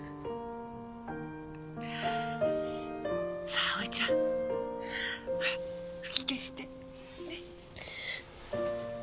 さあ葵ちゃんほら吹き消して。ね。